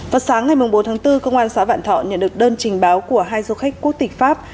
vào sáng ngày bốn tháng bốn công an xã vạn thọ nhận được đơn trình báo của hai du khách quốc tịch pháp